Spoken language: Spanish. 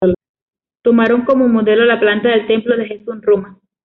Tomaron como modelo la planta del templo de Gesù en Roma.